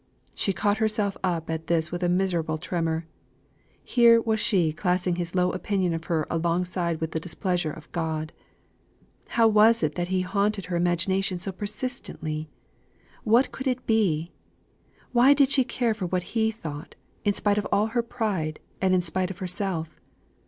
She caught herself up at this with a miserable tremor; here was she classing his low opinion of her alongside with the displeasure of God. How was it that he haunted her imagination so persistently? What could it be? Why did she care for what he thought, in spite of all her pride; in spite of herself?